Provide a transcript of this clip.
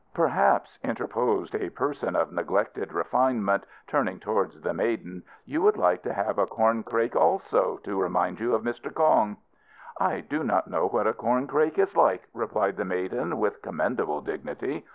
"Perhaps," interposed a person of neglected refinement, turning towards the maiden, "you would like to have a corncrake also, to remind you of Mr. Kong?" "I do not know what a corncrake is like," replied the maiden with commendable dignity.